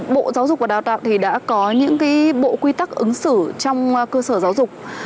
bộ giáo dục và đào tạo thì đã có những bộ quy tắc ứng xử trong cơ sở giáo dục